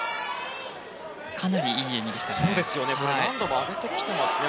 かなりいい演技でしたね。